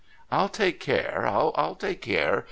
' I'll take care. I'll take care.